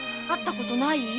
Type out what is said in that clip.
会ったことない？